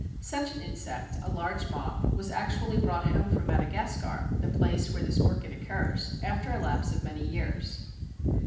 Such an insect, a large moth, was actually brought home from Madagascar, the place where this orchid occurs, after a lapse of many years!